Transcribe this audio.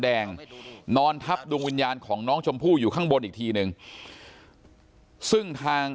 แดงนอนทับดวงวิญญาณของน้องชมพู่อยู่ข้างบนอีกทีนึงซึ่งทาง